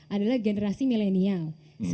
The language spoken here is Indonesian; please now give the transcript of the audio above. adalah generasi milenial